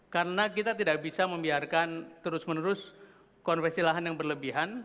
karena kita tidak bisa membiarkan terus menerus konversi lahan yang berlebihan